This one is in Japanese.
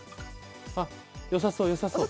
よさそうよさそう。